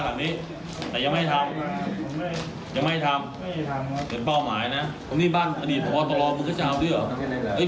ยังไม่ทำไม่ทำเป็นเป้าหมายนะตรงนี้บ้านอดีตพบตรมึงก็จะเอาด้วยเหรอ